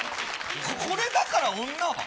これだから女は。